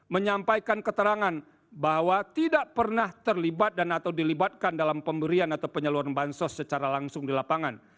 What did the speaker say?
menyampaikan keterangan bahwa tidak pernah terlibat dan atau dilibatkan dalam pemberian atau penyaluran bansos secara langsung di lapangan